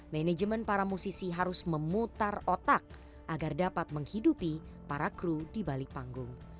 manajemen para musisi harus memutar otak agar dapat menghidupi para kru di balik panggung